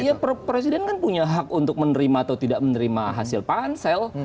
iya presiden kan punya hak untuk menerima atau tidak menerima hasil pansel